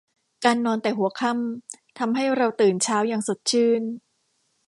การนอนแต่หัวค่ำ ทำให้เราตื่นเช้า อย่างสดชื่น